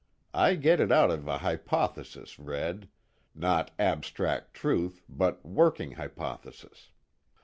I get it out of a hypothesis, Red not abstract truth, but working hypothesis.